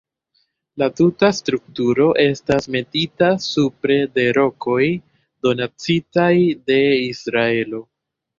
La tuta strukturo estas metita supre de rokoj donacitaj de Israelo.